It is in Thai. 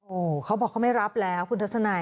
โอ้โหเขาบอกเขาไม่รับแล้วคุณทัศนัย